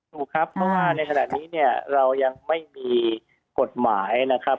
ถูกครับเพราะว่าในขณะนี้เนี่ยเรายังไม่มีกฎหมายนะครับ